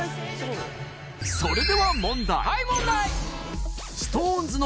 それでは問題